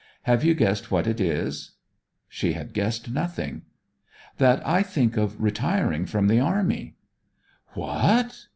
'Have you guessed what it is?' She had guessed nothing. 'That I think of retiring from the army.' 'What!'